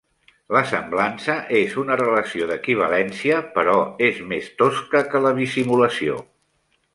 La semblança és una relació d'equivalència, però és més tosca que la bisimulació.